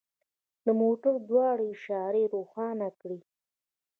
د موټر دواړه اشارې روښانه کړئ